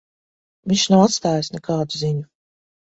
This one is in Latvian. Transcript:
Viņš nav atstājis nekādu ziņu.